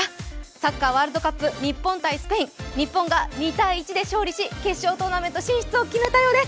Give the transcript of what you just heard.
サッカーワールドカップ日本×スペイン日本が２−１で勝利し決勝トーナメント進出を決めたようです。